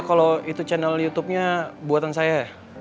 kalau itu channel youtube nya buatan saya